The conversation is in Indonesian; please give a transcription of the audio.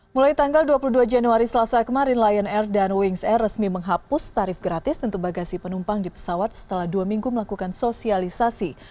mulai tanggal dua puluh dua januari selasa kemarin lion air dan wings air resmi menghapus tarif gratis untuk bagasi penumpang di pesawat setelah dua minggu melakukan sosialisasi